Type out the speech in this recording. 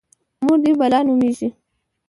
_مور دې بلا نومېږي؟